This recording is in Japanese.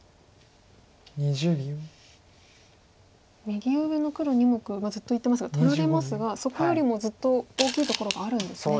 右上の黒２目ずっと言っていますが取られますがそこよりもずっと大きいところがあるんですね。